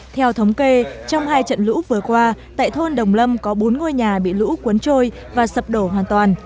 theo thống kê trong hai trận lũ vừa qua tại thôn đồng lâm có bốn ngôi nhà bị lũ cuốn trôi và sập đổ hoàn toàn